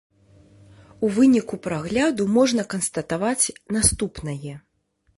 У выніку прагляду можна канстатаваць наступнае.